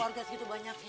orangnya segitu banyaknya